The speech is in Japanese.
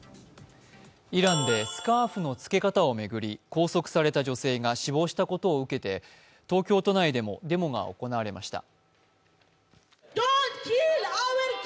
イランでスカーフの付け方を巡り、拘束された女性が死亡したことを受けて東京都内でもデモが行われました。